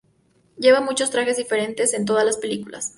Lleva muchos trajes diferentes en todas las películas.